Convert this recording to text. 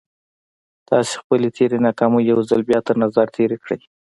تاسې خپلې تېرې ناکامۍ يو ځل بيا تر نظر تېرې کړئ.